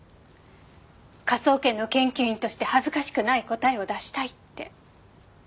「科捜研の研究員として恥ずかしくない答えを出したい」って。